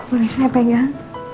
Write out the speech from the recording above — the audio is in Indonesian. boleh saya pegang ya